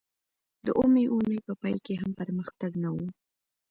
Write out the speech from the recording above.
د اوومې اونۍ په پای کې هم پرمختګ نه و